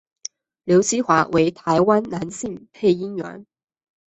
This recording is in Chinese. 刘锡华为台湾男性配音员。